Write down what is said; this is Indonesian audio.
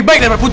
saya cuma cukup